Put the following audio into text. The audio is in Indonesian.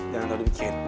jangan terlalu bikin